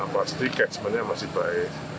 pasti catchment nya masih baik